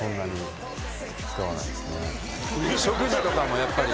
食事とかもやっぱり。